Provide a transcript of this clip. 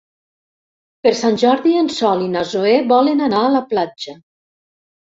Per Sant Jordi en Sol i na Zoè volen anar a la platja.